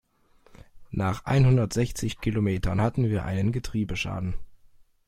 Nach einhundertsechzig Kilometern hatten wir einen Getriebeschaden.